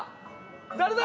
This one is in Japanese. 誰だ！